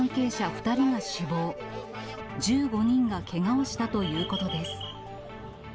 ２人が死亡、１５人がけがをしたということです。